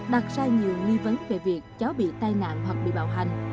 đặt ra nhiều nghi vấn về việc cháu bị tai nạn hoặc bị bạo hành